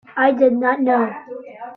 I did not know.